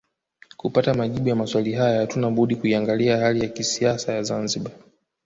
Kupata majibu ya maswali haya hatuna budi kuiangalia hali ya kisiasa ya Zanzibar